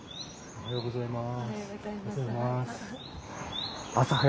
おはようございます。